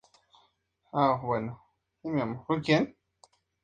Por otro lado, Meg pilla a Chris en su habitación leyendo su diario personal.